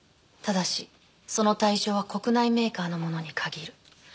ただしその対象は国内メーカーのものに限る。